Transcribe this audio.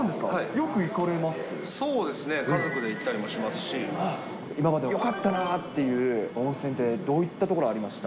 よく行かれそうですね、家族で行ったり今までよかったなっていう、温泉ってどういったところありました？